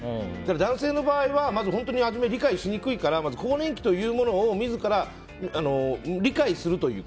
男性の場合は本当に初めは理解しにくいから更年期というものを自ら理解するという。